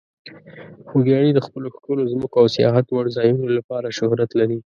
خوږیاڼي د خپلو ښکلو ځمکو او سیاحت وړ ځایونو لپاره شهرت لري.